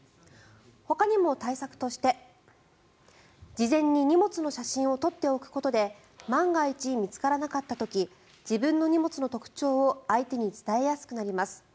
ほかにも対策として、事前に荷物の写真を撮っておくことで万が一、見つからなかった時自分の荷物の特徴を相手に伝えやすくなります。